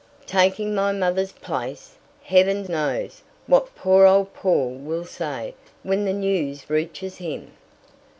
Taking my mother's place! Heaven knows what poor old Paul will say when the news reaches him."